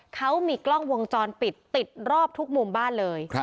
เขามีกล้องวงจรปิดติดรอบทุกมุมบ้านเลย